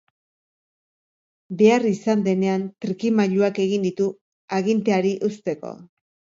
Behar izan denean, trikimailuak egin ditu aginteari eusteko.